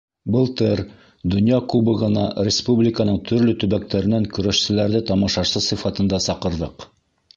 Былтыр Донъя кубогына республиканың төрлө төбәктәренән көрәшселәрҙе тамашасы сифатында саҡырҙыҡ.